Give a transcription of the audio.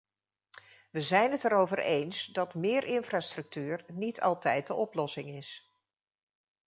We zijn het erover eens dat meer infrastructuur niet altijd de oplossing is.